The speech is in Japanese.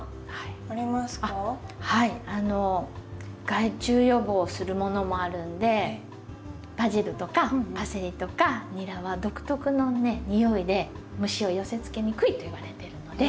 害虫予防するものもあるんでバジルとかパセリとかニラは独特のにおいで虫を寄せつけにくいといわれてるので。